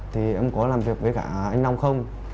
thì em có làm việc với cả anh long không